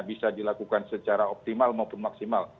bisa dilakukan secara optimal maupun maksimal